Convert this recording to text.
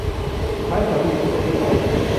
ใช้สำลีชุบเบบี้ออยล์